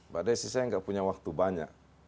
padahal sih saya nggak punya waktu banyak